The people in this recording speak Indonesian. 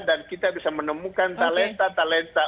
dan kita bisa menemukan talenta talenta